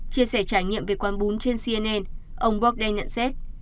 chia sẻ trải nghiệm về quán bún trên cnn ông borrdan nhận xét